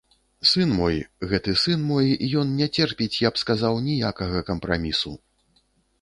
Сын мой, гэты сын мой, ён не церпіць, я б сказаў, ніякага кампрамісу.